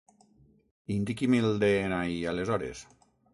Indiqui'm el de-ena-i aleshores.